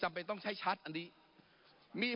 ปรับไปเท่าไหร่ทราบไหมครับ